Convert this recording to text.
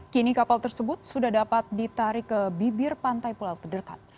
kini kapal tersebut sudah dapat ditarik ke bibir pantai pulau terdekat